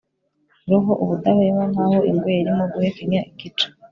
roho ubudahwema - nkaho ingwe yarimo guhekenya igice